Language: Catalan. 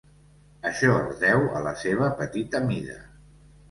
Això es deu a la seva petita mida.